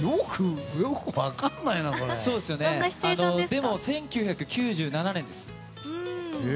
でも、１９９７年です。